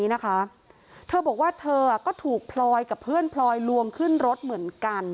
นะคะเธอบอกว่าเธอก็ถูกพลอยกับเพื่อนพลอยลวงขึ้นรถเหมือนกัน